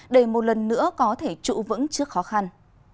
để một lần nữa có thể trụ vững trước khó khăn